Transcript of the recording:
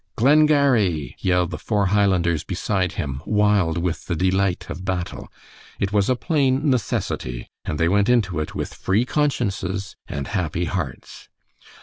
"Glengarry!" yelled the four Highlanders beside him, wild with the delight of battle. It was a plain necessity, and they went into it with free consciences and happy hearts.